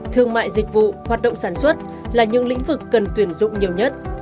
thương mại dịch vụ hoạt động sản xuất là những lĩnh vực cần tuyển dụng nhiều nhất